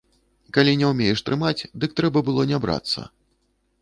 Калі не ўмееш трымаць, дык трэба было не брацца.